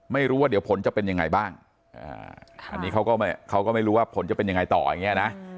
ไม่รู้ว่าเดี๋ยวผลจะเป็นยังไงบ้างอันนี้เขาก็ไม่รู้ว่าผลจะเป็นยังไงต่ออย่างนี้นะ